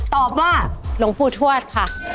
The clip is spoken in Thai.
ตอบว่าหลวงปู่ทวดค่ะ